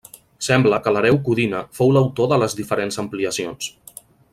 Sembla que l'hereu Codina fou l'autor de les diferents ampliacions.